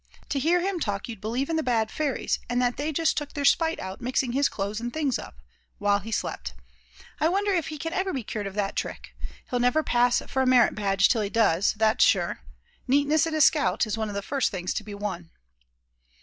To hear him talk you'd believe in the bad fairies, and that they just took their spite out mixing his clothes and things up, while he slept. I wonder if he can ever be cured of that trick. He'll never pass for a merit badge till he does, that's sure. Neatness in a scout is one of the first things to be won."